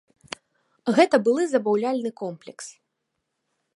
Гэта былы забаўляльны комплекс.